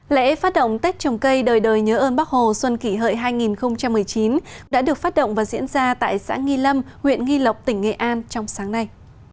lễ phát động tết trồng cây đời đời nhớ ơn bác hồ xuân kỷ hợi hai nghìn một mươi chín đã được phát động và diễn ra tại xã nghi lâm huyện nghi lộc tỉnh nghệ an trong sáng nay